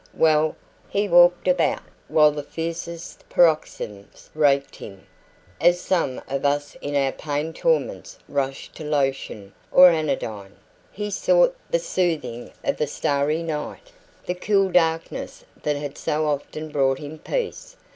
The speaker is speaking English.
Well!... He walked about, while the fiercest paroxysm racked him. As some of us in our pain torments rush to lotion or anodyne, he sought the soothing of the starry night, the cool darkness that had so often brought him peace.